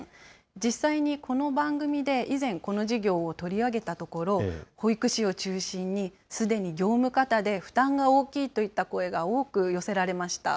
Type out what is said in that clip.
実際にこの番組で以前、この事業を取り上げたところ、保育士を中心に、すでに業務過多で負担が大きいといった声が多く寄せられました。